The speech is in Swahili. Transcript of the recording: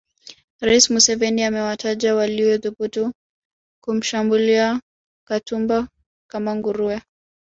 Rais Museveni amewataja waliothubutu kumshambulia Katumba kama nguruwe